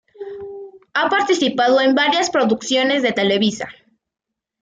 Ha participado en varias producciones de Televisa.